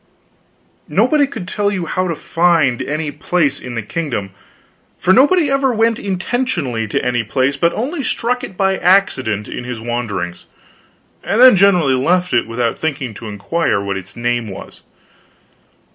Nobody could tell you how to find any place in the kingdom, for nobody ever went intentionally to any place, but only struck it by accident in his wanderings, and then generally left it without thinking to inquire what its name was.